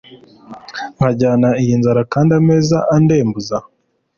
nkajyana iyi nzara kandi ameza andembuza